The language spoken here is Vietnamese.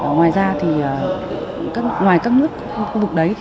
ngoài ra ngoài các nước khu vực đấy